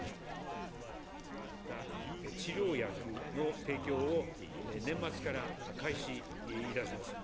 治療薬の提供を年末から開始いたします。